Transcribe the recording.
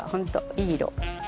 いい色。